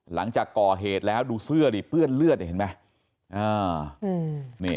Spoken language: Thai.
หลังจากก่อเหตุแล้วดูเสื้อดิเปื้อนเลือดเห็นไหม